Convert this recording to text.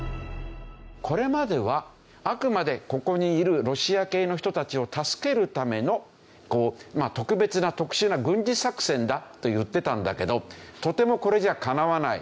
これまではあくまでここにいるロシア系の人たちを助けるための特別な特殊な軍事作戦だと言ってたんだけどとてもこれじゃかなわない。